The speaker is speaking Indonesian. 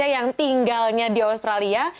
yang tinggal di australia